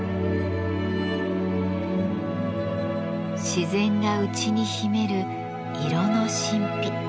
自然が内に秘める色の神秘。